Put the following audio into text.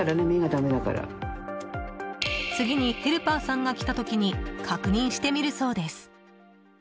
次にヘルパーさんが来た時に確認してみるそうです。